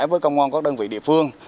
với công an các đơn vị địa phương